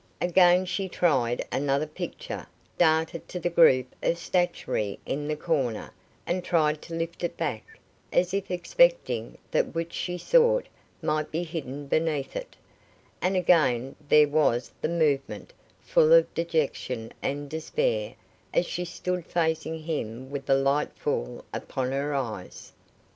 Again she tried another picture; darted to the group of statuary in the corner, and tried to lift it back, as if expecting that which she sought might be hidden beneath it; and again there was the movement, full of dejection and despair, as she stood facing him with the light full upon her eyes.